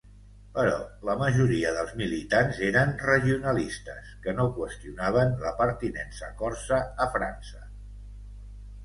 Però la majoria dels militants eren regionalistes que no qüestionaven la pertinença corsa a França.